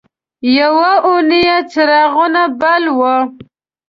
یوه اونۍ یې څراغونه بل وو.